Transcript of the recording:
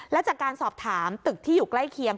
แล้วจากการสอบถามตึกที่อยู่ใกล้เคียง